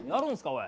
おい。